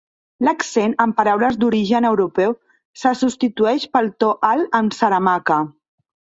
L'accent en paraules d'origen europeu se substitueix pel to alt en Saramacca.